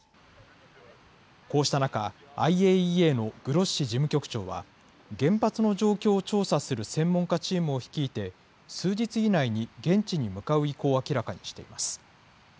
こうした中、ＩＡＥＡのグロッシ事務局長は、原発の状況を調査する専門家チームを率いて数日以内に現地に向かう意向を明らかにしています。